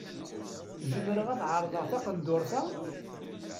Zemreɣ ad ɛerḍeɣ taqendurt-a?